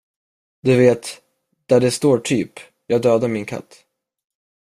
Du vet, där det står typ, jag dödade min katt.